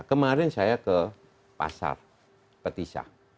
kemarin saya ke pasar petisah